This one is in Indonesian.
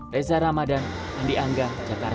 reza ramadan andi angga jakarta